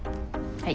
はい。